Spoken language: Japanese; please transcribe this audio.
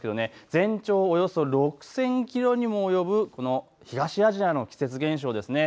全長およそ６０００キロにも及ぶ東アジアの季節現象です。